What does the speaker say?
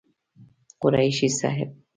قريشي صاحب